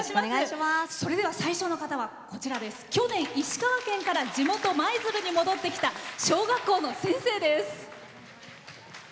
最初の方は去年、石川県から地元・舞鶴に戻ってきた小学校の先生です。